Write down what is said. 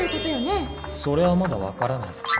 それはまだ分からないさ。